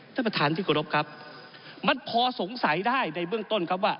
ท่านประธานที่กรบครับมันพอสงสัยได้ในเบื้องต้นครับว่า